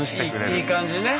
いい感じにね。